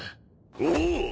おお！